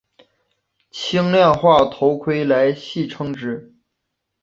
轻量化头盔来戏称之。